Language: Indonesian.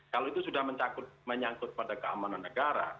kalau itu sudah menyangkut pada keamanan negara